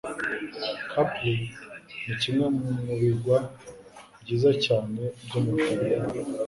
Capri ni kimwe mu birwa byiza cyane byo mu Butaliyani.